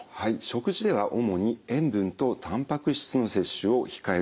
食事では主に塩分とたんぱく質の摂取を控えるようにします。